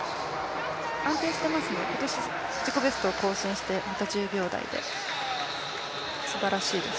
安定していますね自己ベストを更新してまた１０秒台ですばらしいです